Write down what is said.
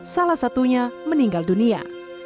salah satunya meninggal dunia